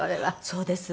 そうです。